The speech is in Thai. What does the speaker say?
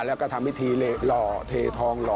แล้วก็ทำวิธีรอเททองรอ